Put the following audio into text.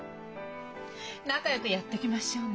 仲よくやっていきましょうね。